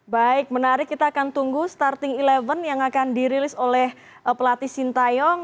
baik menarik kita akan tunggu starting sebelas yang akan dirilis oleh pelatih sintayong